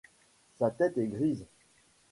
Sa tête est grise.